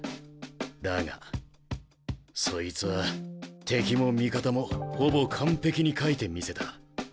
だがそいつは敵も味方もほぼ完璧に書いてみせた。